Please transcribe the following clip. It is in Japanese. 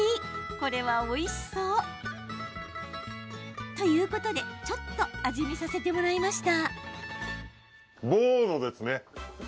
これはおいしそう！ということでちょっと味見させてもらいました。